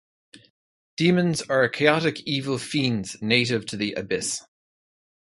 Demons are chaotic evil fiends native to the Abyss.